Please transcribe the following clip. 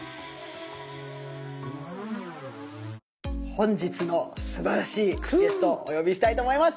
本日のすばらしいゲストをお呼びしたいと思います！